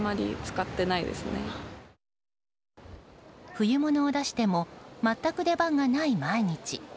冬物を出しても全く出番がない毎日。